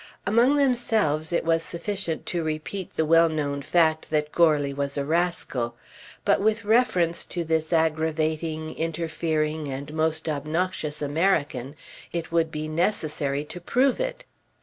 Among themselves it was sufficient to repeat the well known fact that Goarly was a rascal; but with reference to this aggravating, interfering, and most obnoxious American it would be necessary to prove it.